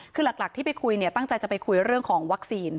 คือหลักที่ไปคุยเนี่ยตั้งใจจะไปคุยเรื่องของวัคซีน